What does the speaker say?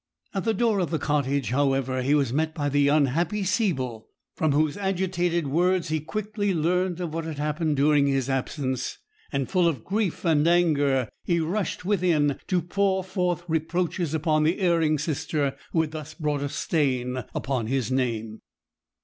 At the door of the cottage, however, he was met by the unhappy Siebel, from whose agitated words he quickly learnt of what had happened during his absence; and full of grief and anger, he rushed within, to pour forth reproaches upon the erring sister who had thus brought a stain upon his name.